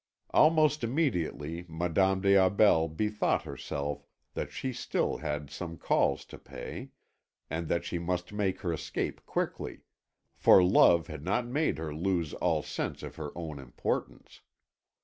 Almost immediately Madame des Aubels bethought herself that she still had some calls to pay, and that she must make her escape quickly, for love had not made her lose all sense of her own importance.